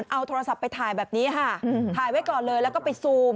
เอาโทรศัพท์ไปถ่ายแบบนี้ค่ะถ่ายไว้ก่อนเลยแล้วก็ไปซูม